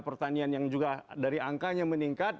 pertanian yang juga dari angkanya meningkat